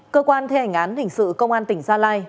cơ quan thi hành án hình sự công an tỉnh gia lai